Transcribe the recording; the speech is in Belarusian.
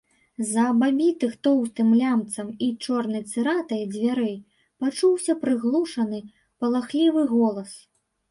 З-за абабітых тоўстым лямцам і чорнай цыратай дзвярэй пачуўся прыглушаны, палахлівы голас.